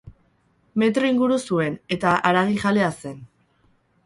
Metro inguru zuen eta haragijalea zen.